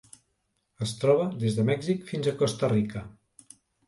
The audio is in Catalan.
Es troba des de Mèxic fins a Costa Rica.